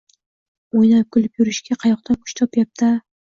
O`ynab-kulib yurishga qayoqdan kuch topyapti-ya